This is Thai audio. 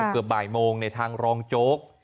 เกือบบ่ายโมงในทางรองโจ๊ก